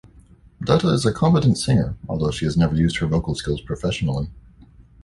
Dutta is a competent singer although she has never used her vocal skills professionally.